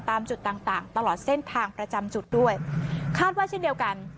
ตามจุดต่างต่างตลอดเส้นทางประจำจุดด้วยคาดว่าเช่นเดียวกัน